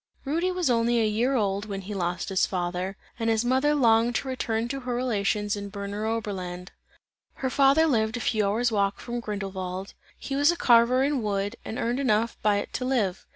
Rudy was only a year old, when he lost his father, and his mother longed to return to her relations in Berner Oberlande. Her father lived a few hours walk from Grindelwald; he was a carver in wood, and earned enough by it to live.